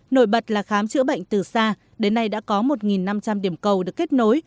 nổi bật là khám chữa bệnh từ xa đến nay đã có một năm trăm linh điểm cầu được kết nối